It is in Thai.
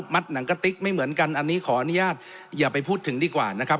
หนังกะติ๊กไม่เหมือนกันอันนี้ขออนุญาตอย่าไปพูดถึงดีกว่านะครับ